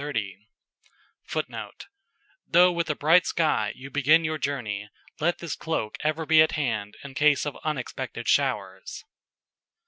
[Footnote: "Though with a bright sky you begin your journey, let this cloak ever be at hand in case of unexpected showers."